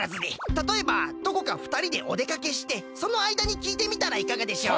たとえばどこかふたりでおでかけしてそのあいだにきいてみたらいかがでしょう？